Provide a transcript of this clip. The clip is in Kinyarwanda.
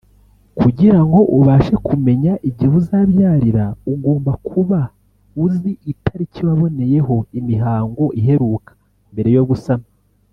Kugira ngo ubashe kumenya igihe uzabyarira ugomba kuba uzi itariki waboneyeho imihango iheruka mbere yo gusama